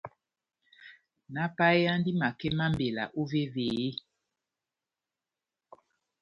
Náhápayeyandi makɛ má mbela óvévé ?